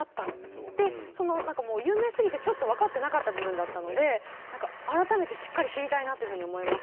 って何かもう有名すぎてちょっと分かってなかった部分だったので何か改めてしっかり知りたいなっていうふうに思いました。